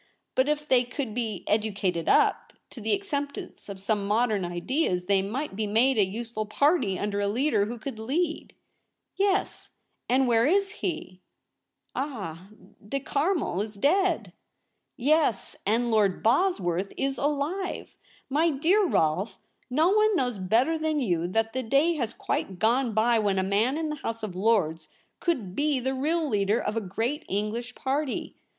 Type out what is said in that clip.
But if they could be '' educated up" to the acceptance of some modern ideas, they might be made a useful party under a leader who could lead.' LITER A SCRIPT A. 235 * Yes ; and where is he ?'' Ah, De Carmel is dead f 'Yes — and Lord Bosworth is alive! My dear Rolfe, no one knows better than you that the day has quite gone by when a man in the House of Lords could be the real leader of a great English party.